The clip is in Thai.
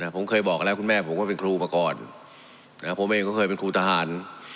ผมเคยบอกแล้วคุณแม่ผมก็เป็นครูมาก่อนผมเองก็เคยเป็นครูทหาร